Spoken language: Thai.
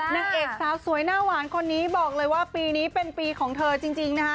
นางเอกสาวสวยหน้าหวานคนนี้บอกเลยว่าปีนี้เป็นปีของเธอจริงนะคะ